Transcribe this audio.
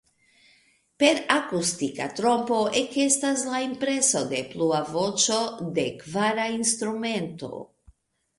Per akustika trompo ekestas la impreso de plua voĉo, de kvara instrumento.